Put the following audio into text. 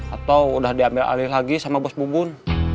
atau udah diambil alih lagi sama bos bubun